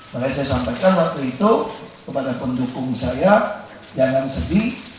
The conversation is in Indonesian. makanya saya sampaikan waktu itu kepada pendukung saya jangan sedih